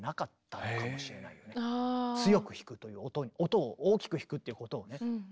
強く弾くという音を大きく弾くっていうことをね。